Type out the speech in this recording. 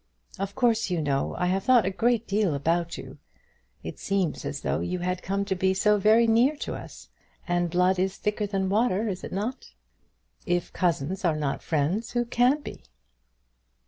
Of course, you know, I have thought a great deal about you. It seems as though you had come to be so very near to us; and blood is thicker than water, is it not? If cousins are not friends, who can be?"